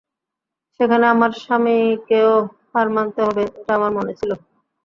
সেখানে আমার স্বামীকেও হার মানতে হবে এটা আমার মনে ছিল।